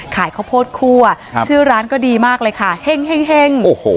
ขายข้าวโพดคั่วอ่ะครับชื่อร้านก็ดีมากเลยค่ะเฮ่งเฮ่งเฮ่งโอ้โห